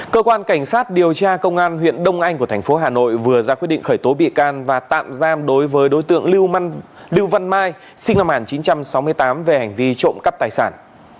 cơ quan cảnh sát điều tra công an huyện đông anh của thành phố hà nội vừa ra quyết định khởi tố bị can và tạm giam đối với đối tượng lưu văn mai sinh năm một nghìn chín trăm sáu mươi tám về hành vi trộm cắp tài sản